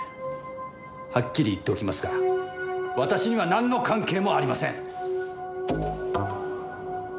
はっきり言っておきますが私にはなんの関係もありません！